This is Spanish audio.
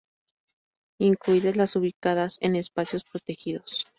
incluidas las ubicadas en espacios protegidos